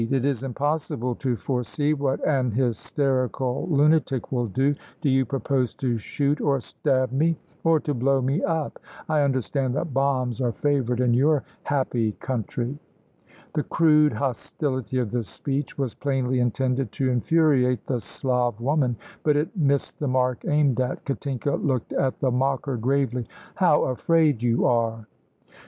It is impossible to foresee what an hysterical lunatic will do. Do you propose to shoot or stab me, or to blow me up? I understand that bombs are favoured in your happy country." The crude hostility of the speech was plainly intended to infuriate the Slav woman, but it missed the mark aimed at. Katinka looked at the mocker gravely. "How afraid you are!"